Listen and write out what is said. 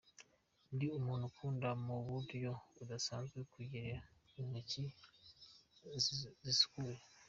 "Ndi umuntu ukunda mu buryo budasanzwe kugira intoki zisukuye.